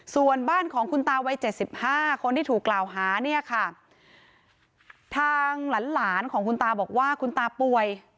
ส่วนบ้านของคุณตาวัย๗๕คนที่ถูกกล่าวหาเนี่ยค่ะทางหลานของคุณตาบอกว่าคุณตาป่วย